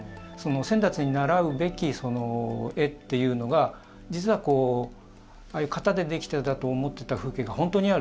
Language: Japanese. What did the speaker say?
先達に習うべき絵というのが実はこうああいう型でできていたと思った風景が本当にある。